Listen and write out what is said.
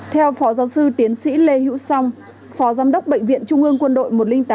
theo phó giáo sư tiến sĩ lê hữu song phó giám đốc bệnh viện trung ương quân đội một trăm linh tám